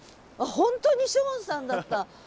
本当にショーンさんだった。